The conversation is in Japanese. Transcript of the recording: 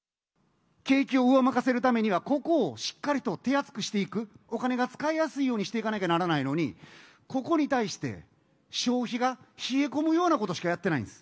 景気を上向かせるためには、ここをしっかりと手厚くしていく、お金を使いやすいようにしていかなきゃならないのに、ここに対して、消費が冷え込むようなことしかやってないんです。